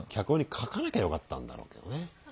書かなきゃよかったんだろうけどね。